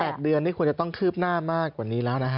๘เดือนนี่ควรจะต้องคืบหน้ามากกว่านี้แล้วนะฮะ